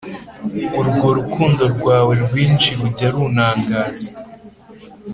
Urwo rukundo rwawe rwinshi rujya runtangaza cyane